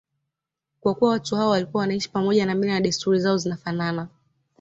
Kwa kuwa watu hao walikuwa wanaishi pamoja na mila na desturi zao zinafanana